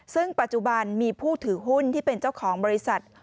ซึ่งปัจจุบันมีผู้ถือหุ้นที่เป็นเจ้าของบริษัท